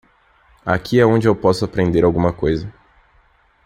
Aqui é onde eu posso aprender alguma coisa.